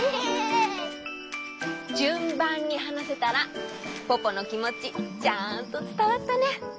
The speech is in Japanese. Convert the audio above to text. じゅんばんにはなせたらポポのきもちちゃんとつたわったね！